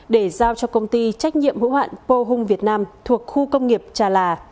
để giao cho công ty trách nhiệm hữu hoạn pohung việt nam thuộc khu công nghiệp trà là